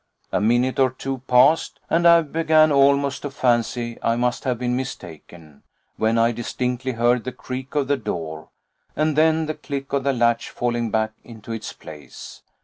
A minute or two passed, and I began almost to fancy I must have been mistaken, when I distinctly heard the creak of the door, and then the click of the latch falling back into its place.